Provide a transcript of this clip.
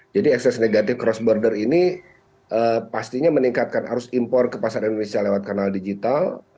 jadi excess negative cross border ini pastinya meningkatkan arus impor ke pasar indonesia lewat kanal digital